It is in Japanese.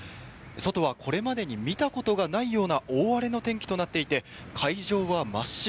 外はこれまでに見たことがないような大荒れの天気となっていて、海上は真っ白。